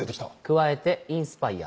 加えてインスパイア。